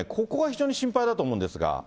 ここが非常に心配だと思うんですが。